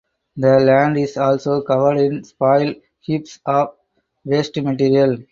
The land is also covered in spoil heaps of waste material.